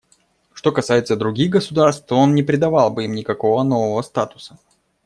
Что касается других государств, то он не придавал бы им никакого нового статуса.